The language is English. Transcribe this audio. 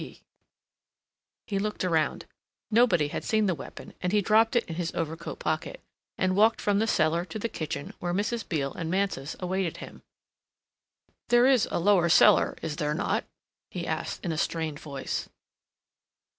B." He looked around. Nobody had seen the weapon and he dropped it in his overcoat pocket, and walked from the cellar to the kitchen where Mrs. Beale and Mansus awaited him. "There is a lower cellar, is there not!" he asked in a strained voice.